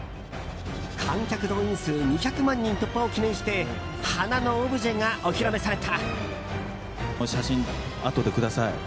観客動員数２００万人突破を記念して花のオブジェがお披露目された。